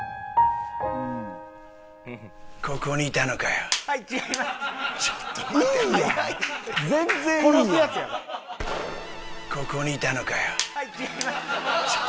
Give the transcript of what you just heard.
ここにいたのかよぉ。